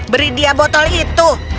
beri dia botol itu